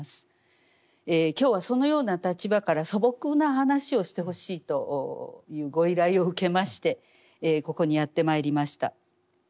今日はそのような立場から素朴な話をしてほしいというご依頼を受けましてここにやってまいりました。